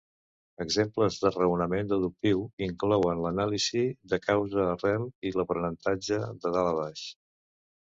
Exemples de raonament deductiu inclouen l'anàlisi de causa arrel i l'aprenentatge de dalt a abaix.